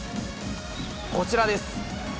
こちらです。